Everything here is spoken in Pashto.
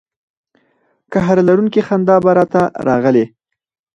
قهر لرونکې خندا به را ته راغلې.